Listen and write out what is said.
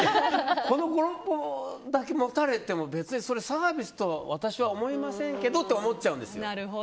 この５６歩だけ持たれても別にサービスとは私は思いませんけどって思っちゃうんですけど。